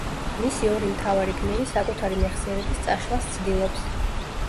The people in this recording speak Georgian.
მისი ორი მთავარი გმირი საკუთარი მეხსიერების წაშლას ცდილობს.